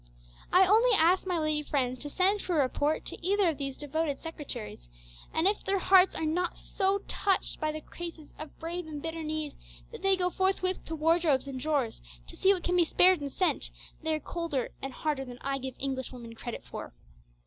I only ask my lady friends to send for a report to either of these devoted secretaries; and if their hearts are not so touched by the cases of brave and bitter need that they go forthwith to wardrobes and drawers to see what can be spared and sent, they are colder and harder than I give Englishwomen credit for.